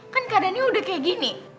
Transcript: kan keadaannya udah kayak gini